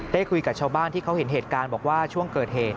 ได้คุยกับชาวบ้านที่เขาเห็นเหตุการณ์บอกว่าช่วงเกิดเหตุ